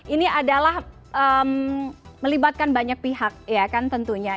ini adalah melibatkan banyak pihak ya kan tentunya